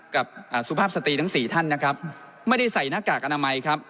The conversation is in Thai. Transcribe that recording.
กับสุภาพสตรีทั้งสี่ท่านนะครับไม่ได้ใส่หน้ากากอนามัยครับ